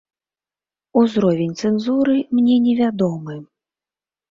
Узровень цэнзуры мне невядомы.